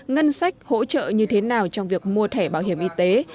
ngân sách hỗ trợ như thế nào trong việc mua thẻ bảo hiểm y tế